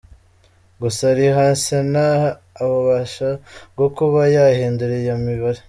Gusa riha Sena ububasha bwo kuba yahindura iyo mibare.